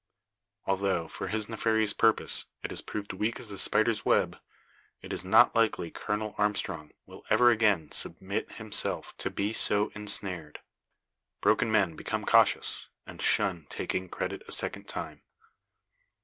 Although, for his nefarious purpose, it has proved weak as a spider's web, it is not likely Colonel Armstrong will ever again submit himself to be so ensnared. Broken men become cautious, and shun taking credit a second time.